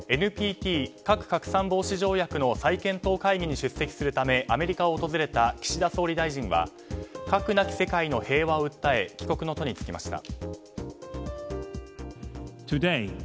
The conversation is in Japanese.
ＮＰＴ・核拡散防止条約の再検討会議に出席するためアメリカを訪れた岸田総理大臣は核なき世界の平和を訴え帰国の途に就きました。